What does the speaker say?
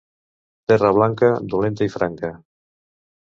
Terra blanca, dolenta i franca.